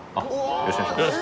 よろしくお願いします。